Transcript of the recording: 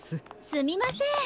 すみません。